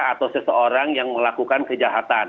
atau seseorang yang melakukan kejahatan